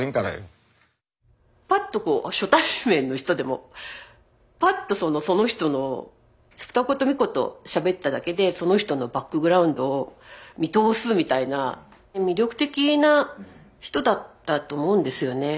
パッとこう初対面の人でもパッとその人の二言三言しゃべっただけでその人のバックグラウンドを見通すみたいな魅力的な人だったと思うんですよね。